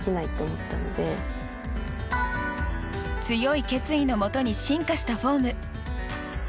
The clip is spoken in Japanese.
強い決意のもとに進化したフォーム。